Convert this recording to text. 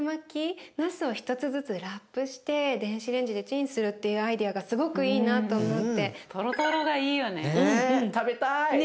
なすを一つずつラップして電子レンジでチンするっていうアイデアがすごくいいなと思って。ね。